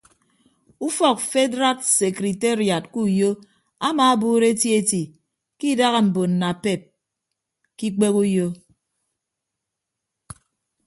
Ufọk fedraad sekriteriad ke uyo amaabuuro eti eti ke idaha mbon napep ke ikpehe uyo.